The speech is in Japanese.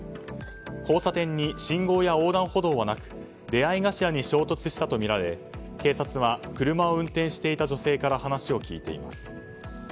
交差点に信号や横断歩道はなく出合い頭に衝突したとみられ警察は車を運転していた女性から話を聞いています。